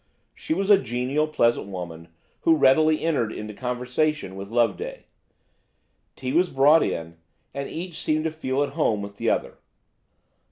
She was a genial, pleasant woman, and readily entered into conversation with Loveday. Tea was brought in, and each seemed to feel at home with the other.